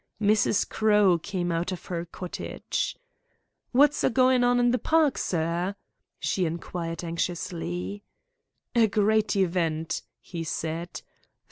Mrs. Crowe came out of her cottage. "What's a goin' on in the park, sir?" she inquired anxiously. "A great event," he said.